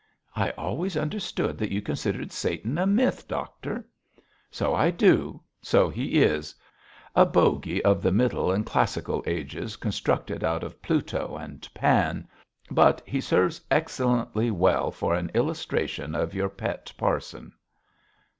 'I always understood that you considered Satan a myth, doctor!' 'So I do; so he is; a bogey of the Middle and Classical Ages constructed out of Pluto and Pan. But he serves excellently well for an illustration of your pet parson.'